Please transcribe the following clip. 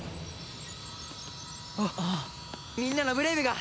あっみんなのブレイブが！